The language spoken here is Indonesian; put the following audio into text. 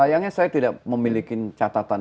sayangnya saya tidak memiliki catatan